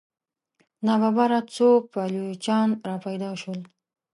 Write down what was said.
ناببره څو پایلوچان را پیدا شول.